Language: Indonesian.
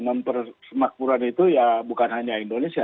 mempersemakmuran itu ya bukan hanya indonesia